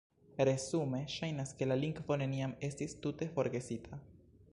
Resume, ŝajnas, ke la lingvo neniam estis tute forgesita.